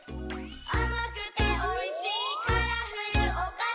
「あまくておいしいカラフルおかし」